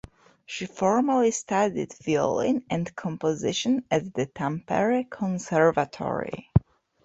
She formally studied violin and composition at the Tampere Conservatory.